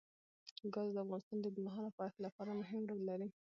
ګاز د افغانستان د اوږدمهاله پایښت لپاره مهم رول لري.